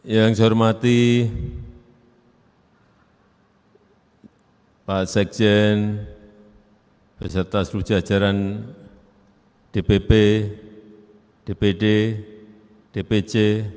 yang saya hormati pak sekjen beserta seluruh jajaran dpp dpd dpc